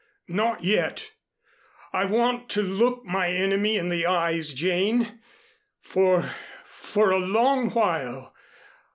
"Not yet. I want to look my Enemy in the eyes, Jane, for for a long while.